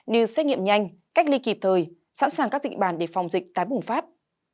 như xét nghiệm nhanh cách ly kịp thời sẵn sàng các dịch bàn để phòng dịch tái bùng phát